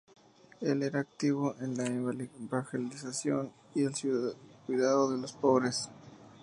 Él era activo en la evangelización y el cuidado de los pobres.